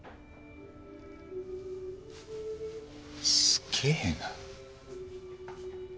すげえな。